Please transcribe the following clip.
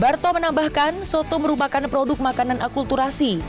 barto menambahkan soto merupakan produk makanan akulturasi